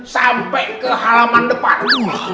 sampai ke halaman depan